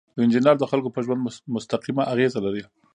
انجینر د خلکو په ژوند مستقیمه اغیزه لري.